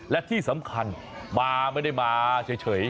และที่สำคัญมาไม่ได้มาเฉย